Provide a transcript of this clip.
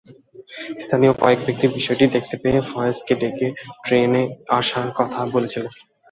স্থানীয় কয়েক ব্যক্তি বিষয়টি দেখতে পেয়ে ফয়েজকে ডেকে ট্রেন আসার কথা বলেছিলেন।